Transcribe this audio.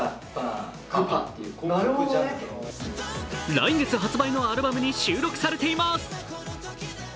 来月発売のアルバムに収録されています。